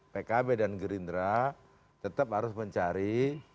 pkb dan gerindra tetap harus mencari